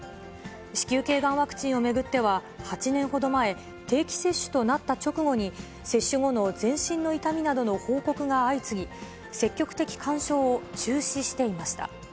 子宮けいがんワクチンを巡っては、８年ほど前、定期接種となった直後に、接種後の全身の痛みなどの報告が相次ぎ、積極的勧奨を中止していました。